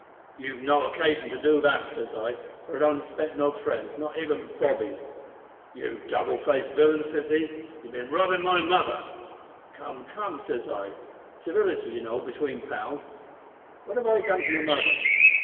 "`You've no occasion to do that' says I, `for I don't expect no friends not even bobbies.' "`You double faced villain!' says he; `you've bin robbin' my mother!' "`Come, come,' says I, `civility, you know, between pals. What have I done to your mother?'